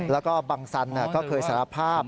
แล้วก็บังสันก็เคยสารภาพ